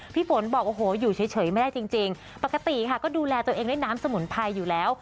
พี่ฝนบอกโอ้โหอยู่เฉยไม่ได้จริงปกติค่ะก็ดูแลตัวเองด้วยน้ำสมุนไพรอยู่แล้ว